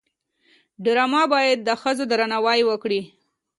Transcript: ډرامه باید د ښځو درناوی وکړي